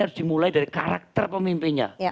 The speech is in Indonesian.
harus dimulai dari karakter pemimpinnya